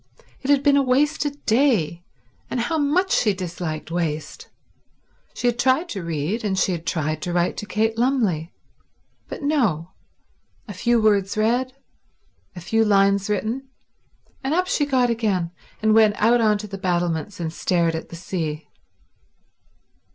It had been a wasted day, and how much she disliked waste. She had tried to read, and she had tried to write to Kate Lumley; but no—a few words read, a few lines written, and up she got again and went out on to the battlements and stared at the sea.